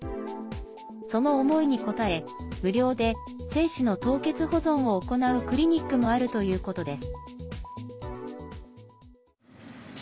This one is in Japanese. その思いに応え無料で精子の凍結保存を行うクリニックもあるということです。